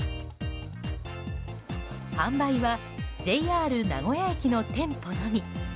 販売はＪＲ名古屋駅の店舗のみ。